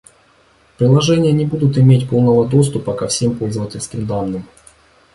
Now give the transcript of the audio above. Приложения не будут иметь полного доступа ко всем пользовательским данным